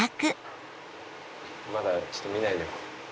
まだちょっと見ないでおこう。